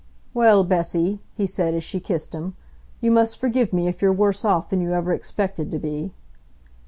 "Well, Bessy," he said, as she kissed him, "you must forgive me if you're worse off than you ever expected to be.